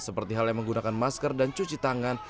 seperti hal yang menggunakan masker dan cuci tangan